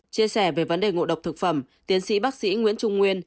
chia sẻ về vấn đề ngộ độc thực phẩm tiến sĩ bác sĩ nguyễn trung nguyên